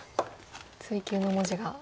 「追求」の文字が。